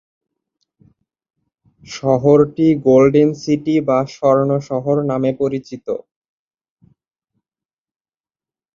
শহরটি golden city বা স্বর্ণ শহর নামে পরিচিত।